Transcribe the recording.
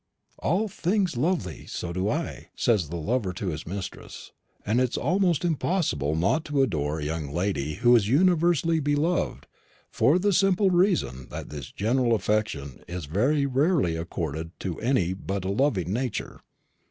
"All things love thee, so do I," says the lover to his mistress; and it is almost impossible not to adore a young lady who is universally beloved, for the simple reason that this general affection is very rarely accorded to any but a loving nature.